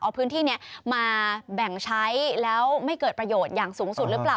เอาพื้นที่นี้มาแบ่งใช้แล้วไม่เกิดประโยชน์อย่างสูงสุดหรือเปล่า